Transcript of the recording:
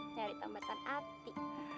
nyari tambatan ati